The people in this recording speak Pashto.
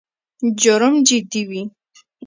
جرم جدي وي.